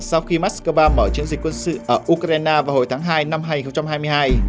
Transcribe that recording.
sau khi moscow mở chiến dịch quân sự ở ukraine vào hồi tháng hai năm hai nghìn hai mươi hai